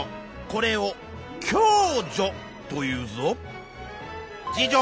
これを共助というぞ。